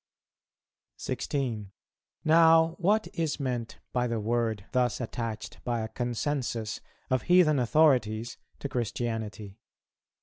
[225:1] 16. Now what is meant by the word thus attached by a consensus of heathen authorities to Christianity?